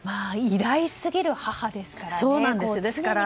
偉大すぎる母ですからね。